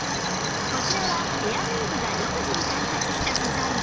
こちらはエアウィーヴが独自に開発した素材